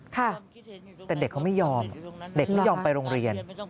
แต่เด็กเขาไม่ยอมไม่ยอมไปโรงเรียน